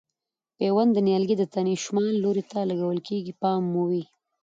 پیوند د نیالګي د تنې شمال لوري ته لګول کېږي پام مو وي.